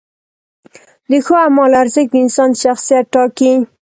د ښو اعمالو ارزښت د انسان شخصیت ټاکي.